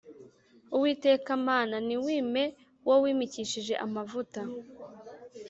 uwiteka mana, ntiwime uwo wimikishije amavuta;